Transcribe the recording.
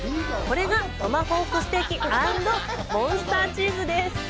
これがトマホークステーキ＆モンスターチーズです。